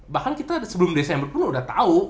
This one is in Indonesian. bahkan kita sebelum desember pun udah tau